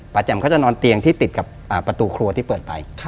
แจ่มเขาจะนอนเตียงที่ติดกับประตูครัวที่เปิดไป